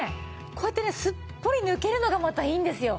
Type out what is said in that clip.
こうやってすっぽり抜けるのがまたいいんですよ。